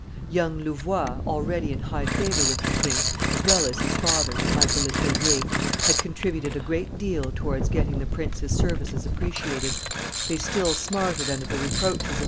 Young Louvois, already in high favor with the king, as well as his father, Michael Le Tellier, had contributed a great deal towards getting the prince's services appreciated; they still smarted under the reproaches of M.